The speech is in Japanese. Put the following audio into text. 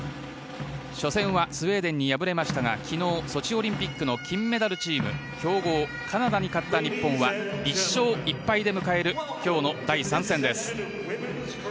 初戦はスウェーデンに敗れましたがきのう、ソチオリンピックの金メダルチーム強豪カナダに勝った日本は１勝１敗で迎えるきょうの第３戦です。